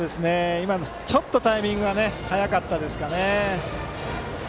今の、ちょっとタイミングが早かったですかね。